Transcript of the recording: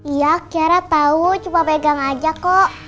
iya kiara tau coba pegang aja kok